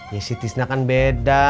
ya si tisna kan beda